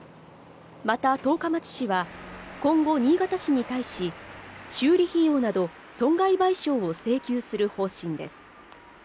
また十日町市は今後、新潟市に対し修理費用など損害賠償を請求する方針です。